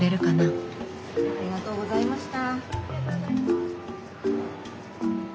ありがとうございます。